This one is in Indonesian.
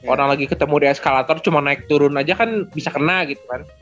orang lagi ketemu di eskalator cuma naik turun aja kan bisa kena gitu kan